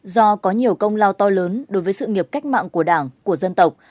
do có nhiều công lao to lớn đối với sự nghiệp cách mạng của đảng của dân tộc